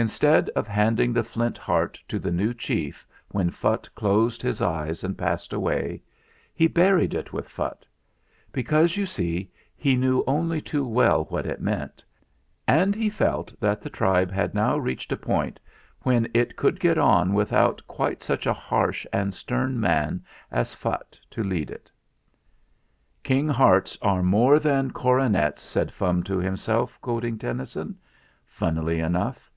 Instead of handing the Flint Heart to the new chief when Phutt closed his eyes and passed away, he buried it with Phutt; because you see he knew only too well what it meant, and he felt that the tribe had now reached a point when it could get on with out quite such a harsh and stern man as Phutt to lead it. 54 THE FLINT HEART ' 'King hearts are more than coronets/ ' said Fum to himself quoting Tennyson, funnily enough.